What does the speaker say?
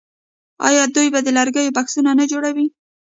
آیا دوی د لرګیو بکسونه نه جوړوي؟